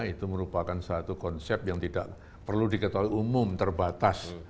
itu merupakan satu konsep yang tidak perlu diketahui umum terbatas